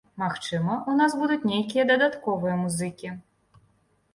Магчыма, у нас будуць нейкія дадатковыя музыкі.